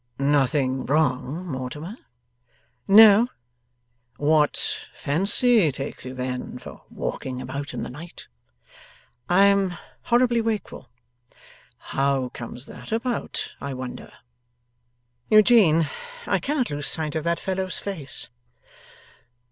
'Nothing wrong, Mortimer?' 'No.' 'What fancy takes you, then, for walking about in the night?' 'I am horribly wakeful.' 'How comes that about, I wonder!' 'Eugene, I cannot lose sight of that fellow's face.